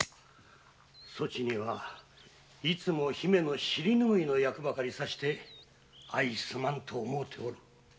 そちにはいつも姫のシリぬぐいの役ばかりさせてすまぬと思うておる。